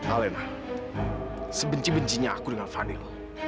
alena sebenci bencinya aku dengan vanil